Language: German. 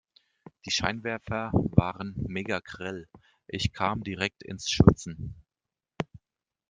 Die Scheinwerfer waren megagrell. Ich kam direkt ins Schwitzen.